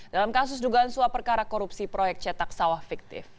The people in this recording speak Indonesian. dalam kasus dugaan suap perkara korupsi proyek cetak sawah fiktif